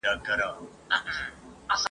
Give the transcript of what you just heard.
اشاره کړې او پر ویر یې ورسره ژړلي دي !.